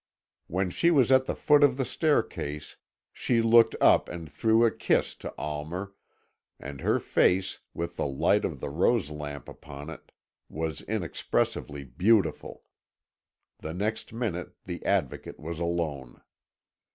When she was at the foot of the staircase she looked up and threw a kiss to Almer, and her face, with the light of the rose lamp upon it, was inexpressibly beautiful. The next minute the Advocate was alone.